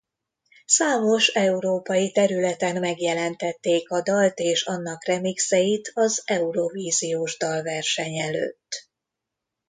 Számos európai területen megjelentették a dalt és annak remixeit az Eurovíziós Dalverseny előtt.